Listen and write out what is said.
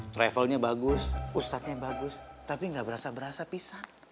travelnya bagus ustadznya bagus tapi gak berasa berasa pisah